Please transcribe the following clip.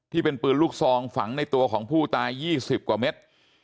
ที่เป็นปืนลูกซองฝังในตัวของผู้ตาย๒๐กว่าเมตร